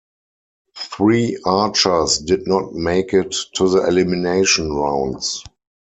Three archers did not make it to the elimination rounds.